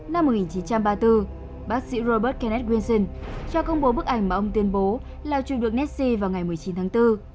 năm một nghìn chín trăm ba mươi bốn bác sĩ robert kenneth wilson cho công bố bức ảnh mà ông tuyên bố là chụp được nessie vào ngày một mươi chín tháng bốn